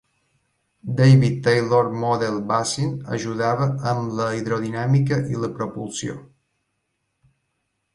David Taylor Model Basin ajudava amb la hidrodinàmica i la propulsió.